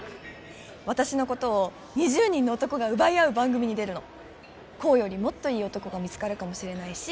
私のことを２０人の男が奪い合う番組に出るの功よりもっといい男が見つかるかもしれないし